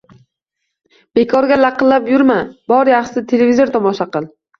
“Bekorga laqillab yurma, bor yaxshisi televizor tomosha qil.